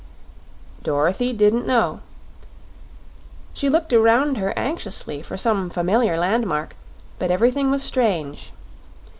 Dorothy didn't know. She looked around her anxiously for some familiar landmark; but everything was strange.